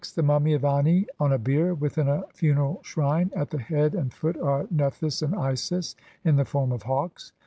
The mummy of Ani on a bier within a funeral shrine ; at the head and foot are Nephthvs and Isis in the form of hawks.